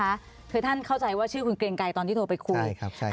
คือท่านเขียนว่าท่านเข้าใจว่าคุณชื่อเกรงไก่ตอนที่โทรไปคุย